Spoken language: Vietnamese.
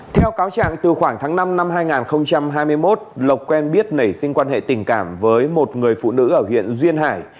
theo cáo trạng từ khoảng tháng năm năm hai nghìn hai mươi một lộc quen biết nảy sinh quan hệ tình cảm với một người phụ nữ ở huyện duyên hải